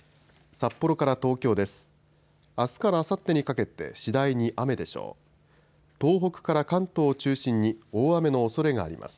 札幌から東京です。